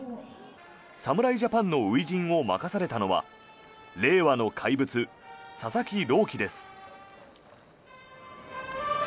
侍ジャパンの初陣を任されたのは令和の怪物、佐々木朗希です。